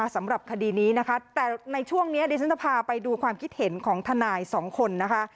สำหรับคดีนี้นะคะแต่ในช่วงนี้ดิฉันจะพาไปดูความคิดเห็นของทนายสองคนนะคะ